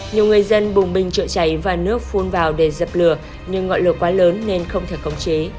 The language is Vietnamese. nhiều người dân bùng bình chữa cháy và nước phun vào để dập lửa nhưng ngọn lửa quá lớn nên không thể công chế